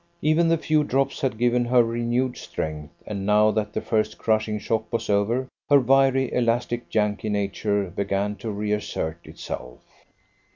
Even the few drops had given her renewed strength, and now that the first crushing shock was over, her wiry, elastic, Yankee nature began to reassert itself.